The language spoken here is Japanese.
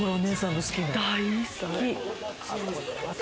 大好き！